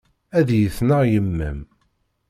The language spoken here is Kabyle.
Ad iyi-tneɣ yemma-m.